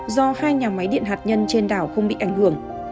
do hai nhà máy điện hạt nhân trên đảo không bị ảnh hưởng